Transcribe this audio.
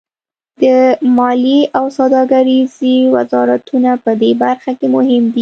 د مالیې او سوداګرۍ وزارتونه پدې برخه کې مهم دي